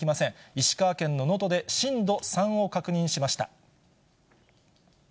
石川県の能登で震度３を確認しました。